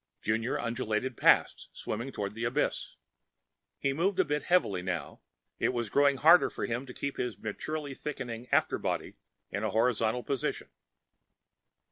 Junior undulated past, swimming toward the abyss. He moved a bit heavily now; it was growing hard for him to keep his maturely thickening afterbody in a horizontal posture.